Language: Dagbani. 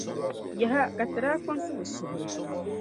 Yaha! Ka ti daa kpaŋsi bɛ suhiri.